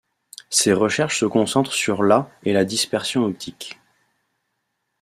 Ses recherches se concentrent sur la et la dispersion optique.